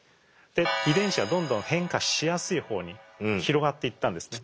で遺伝子がどんどん変化しやすい方に広がっていったんですね。